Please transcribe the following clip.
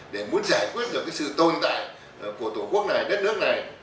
để muốn giải quyết được sự tồn tại của tổ quốc này đất nước này